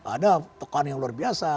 ada tekan yang luar biasa